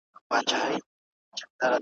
وخت به ازمېیلی یم ما بخت دی آزمېیلی `